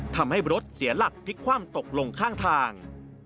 ทำให้รถเสียหลักพลิกคว่ำตกลงข้างทาง